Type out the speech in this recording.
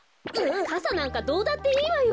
かさなんかどうだっていいわよ。